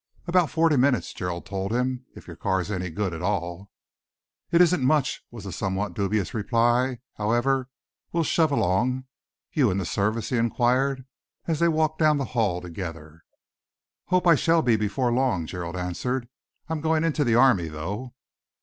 "About forty minutes," Gerald told him, "if your car's any good at all." "It isn't much," was the somewhat dubious reply. "However, we'll shove along. You in the Service?" he enquired, as they walked down the hall together. "Hope I shall be before long," Gerald answered. "I'm going into the army, though."